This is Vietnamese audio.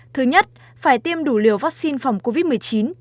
thứ nhất phải tiêm đủ liều vaccine phòng covid một mươi chín